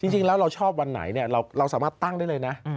จริงแล้วเราชอบวันไหนเราสามารถตั้งได้เลยนะ